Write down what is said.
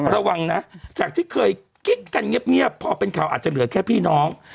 ระวังนะจากที่เคยกิ๊กกันเงียบพอเป็นข่าวอาจจะเหลือแค่พี่น้อง